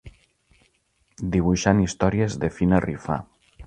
Dibuixant històries de Fina Rifà.